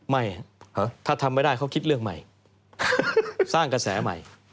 ไม่ถ้าทำไม่ได้เขาคิดเรื่องใหม่สร้างกระแสใหม่